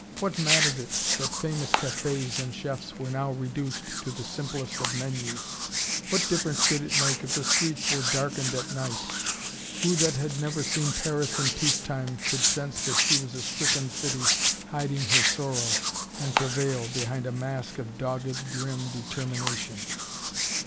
What mattered it that famous cafés and chefs were now reduced to the simplest of menus; what difference did it make if the streets were darkened at night; who that had never seen Paris in peace time could sense that she was a stricken city hiding her sorrow and travail behind a mask of dogged, grim determination?